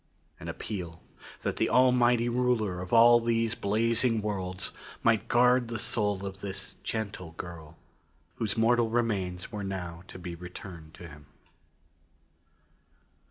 An appeal: That the Almighty Ruler of all these blazing worlds might guard the soul of this gentle girl whose mortal remains were now to be returned to Him.